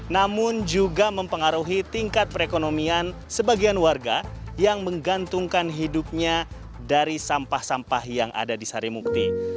namun juga mempengaruhi tingkat perekonomian sebagian warga yang menggantungkan hidupnya dari sampah sampah yang ada di sarimukti